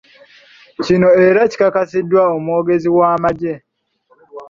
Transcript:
Kino era kikakasiddwa omwogezi w’amagye.